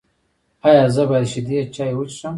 ایا زه باید شیدې چای وڅښم؟